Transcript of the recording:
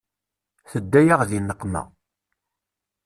Tedda-yaɣ di nneqma.